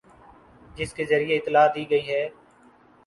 جس کے ذریعے اطلاع دی گئی ہے